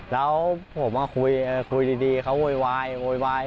แล้วผมมาคุยดีเขาโวยวาย